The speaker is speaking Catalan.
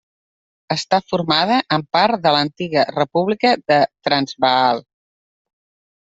Està formada amb part de l'antiga República de Transvaal.